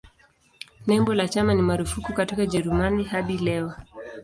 Nembo la chama ni marufuku katika Ujerumani hadi leo.